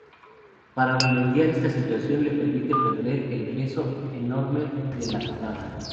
Para Remediar esta situación le permite perder el peso enorme de la sotana.